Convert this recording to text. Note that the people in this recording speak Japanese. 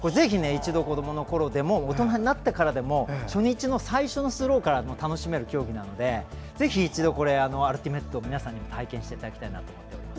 子どものころでも大人になってからでも初日の最初のスローからでも楽しめる競技なのでぜひ一度、アルティメット皆さんにも体験していただきたいなと思います。